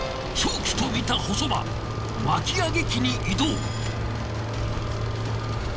勝機と見た細間巻き上げ機に移動。